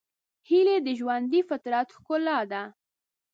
هیلۍ د ژوندي فطرت ښکلا ده